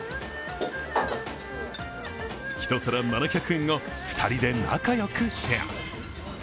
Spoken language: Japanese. １皿７００円を２人で仲よくシェア。